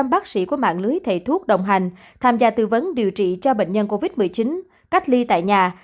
một mươi bác sĩ của mạng lưới thầy thuốc đồng hành tham gia tư vấn điều trị cho bệnh nhân covid một mươi chín cách ly tại nhà